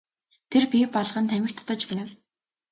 Тэр пиво балган тамхи татаж байв.